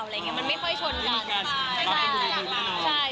มันไม่ค่อยชนกันใช่